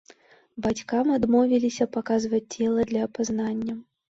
Бацькам адмовіліся паказваць цела для апазнання.